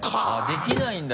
できないんだ。